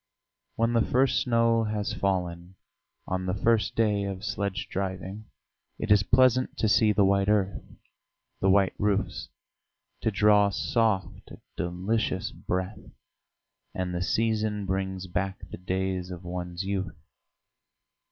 When the first snow has fallen, on the first day of sledge driving it is pleasant to see the white earth, the white roofs, to draw soft, delicious breath, and the season brings back the days of one's youth.